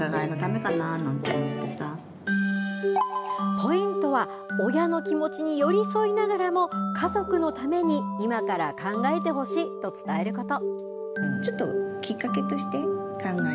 ポイントは、親の気持ちに寄り添いながらも、家族のために今から考えてほしいと伝えること。